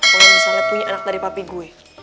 kalau misalnya punya anak dari papi gue